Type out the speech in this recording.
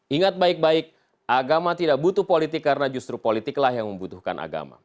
ingat baik baik agama tidak butuh politik karena justru politiklah yang membutuhkan agama